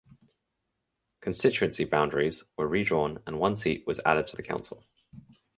Constituency boundaries were redrawn and one seat was added to the council.